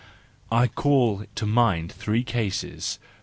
—I call to mind three cases.